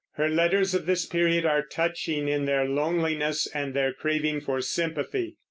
Her letters of this period are touching in their loneliness and their craving for sympathy.